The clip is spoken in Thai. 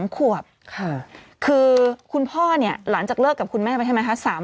๒ขวบคือคุณพ่อเนี่ยหลังจากเลิกกับคุณแม่ไปใช่ไหมคะ